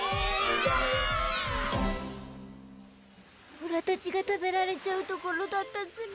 オラたちが食べられちゃうところだったズラ。